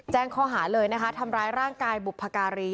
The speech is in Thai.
แจ้งข้อหาเลยนะคะทำร้ายร่างกายบุพการี